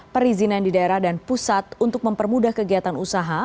perizinan di daerah dan pusat untuk mempermudah kegiatan usaha